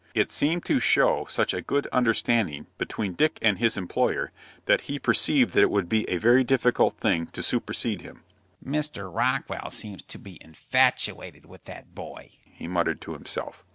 It seemed to show such a good understanding between Dick and his employer that he perceived that it would be a very difficult thing to supersede him. "Mr. Rockwell seems to be infatuated with that boy," he muttered to himself.